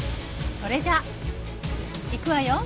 それじゃいくわよ。